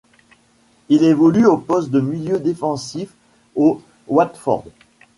Il évolue au poste de milieu défensif au Watford.